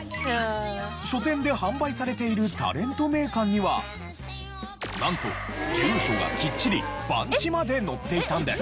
書店で販売されている『タレント名鑑』にはなんと住所がきっちり番地まで載っていたんです。